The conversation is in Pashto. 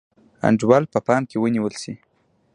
انډول په پام کې ونیول شي.